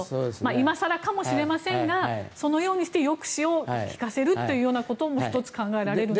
今更かもしれませんがそのようにして抑止をきかせるということも１つ、考えられると。